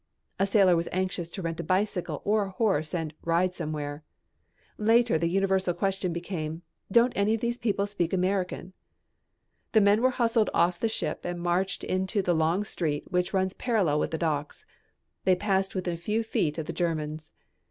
A sailor was anxious to rent a bicycle or a horse and "ride somewhere." Later the universal question became, "Don't any of these people speak American?" The men were hustled off the ship and marched into the long street which runs parallel with the docks. They passed within a few feet of the Germans.